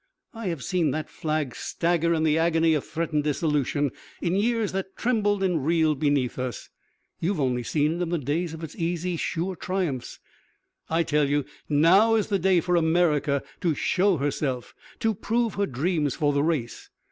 I have seen that flag stagger in the agony of threatened dissolution, in years that trembled and reeled beneath us. You have only seen it in the days of its easy, sure triumphs. I tell you, now is the day for America to show herself, to prove her dreams for the race.